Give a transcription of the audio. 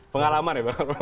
pengalaman ya bang br belonged